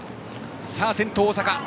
先頭、大阪。